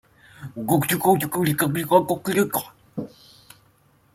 委员会总部设在卡宴附近的郊区。